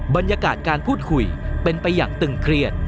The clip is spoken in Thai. บรรยากาศการพูดคุยเป็นไปอย่างตึงเครียด